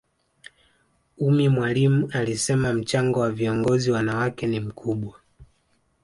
ummy mwalimu alisema mchango wa viongozi wanawake ni mkubwa